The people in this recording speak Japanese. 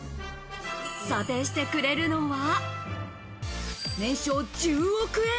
査定してくれるのは、年商１０億円。